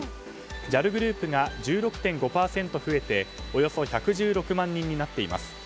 ＪＡＬグループが１６．５％増えておよそ１１６万人になっています。